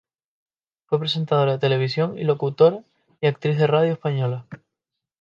Fue presentadora de televisión y locutora y actriz de radio española.